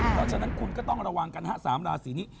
เพราะฉะนั้นคุณก็ต้องระวังกัน๓ราศีนี้